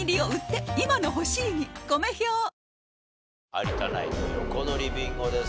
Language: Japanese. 有田ナインの横取りビンゴです。